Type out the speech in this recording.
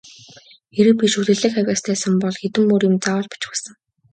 Хэрэв би шүлэглэх авьяастай сан бол хэдэн мөр юм заавал бичих байсан.